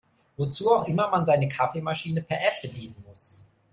Wozu auch immer man seine Kaffeemaschine per App bedienen muss.